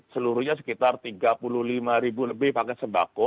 seluruhnya sekitar tiga puluh lima ribu lebih paket sembako